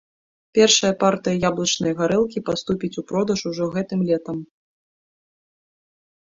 Першая партыя яблычнай гарэлкі паступіць у продаж ужо гэтым летам.